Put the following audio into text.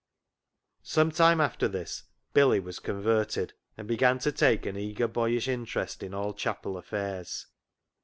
Some time after this Billy was converted, and began to take an eager boyish interest in all chapel affairs.